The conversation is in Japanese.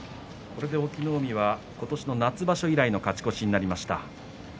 これで隠岐の海は今年夏場所以来の勝ち越しとなりました。